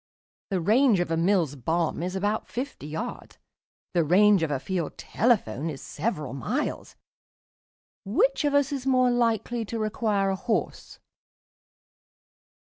The range of a Mills bomb is about fifty yards; the range of a field telephone is several miles. Which of us is more likely to require a horse?"